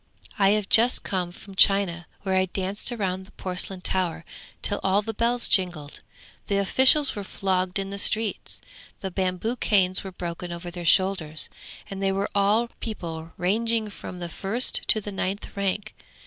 I have just come from China, where I danced round the porcelain tower till all the bells jingled. The officials were flogged in the streets, the bamboo canes were broken over their shoulders, and they were all people ranging from the first to the ninth rank.